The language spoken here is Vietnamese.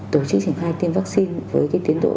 tổ chức trình khai tiêm vaccine với cái tiến độ